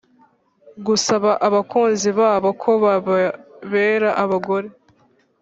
gusaba abakunzi babo ko bababera abagore